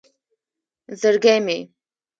زرگی مې